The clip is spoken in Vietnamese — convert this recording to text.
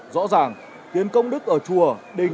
rõ ràng tiền công đức ở chủ nhang là một vấn đề rất quan trọng